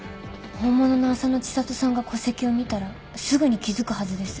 本物の浅野知里さんが戸籍を見たらすぐに気づくはずです。